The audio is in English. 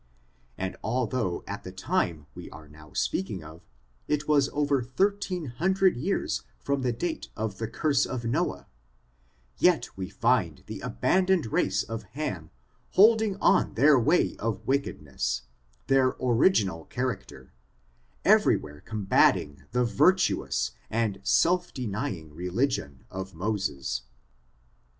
And al though at the time we are now speaking o^ it was over thirteen hundred years from the date of the curse of Noah, yet we find the abandoned race of Ham, holding on their way of wickedness, their orig inal character, every where combating the virtuous and self denying religion of Moses.